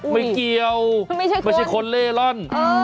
ไม่เกี่ยวไม่ใช่คนเล่ร่อน